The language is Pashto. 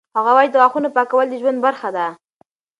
هغه وایي چې د غاښونو پاکول د ژوند برخه ده.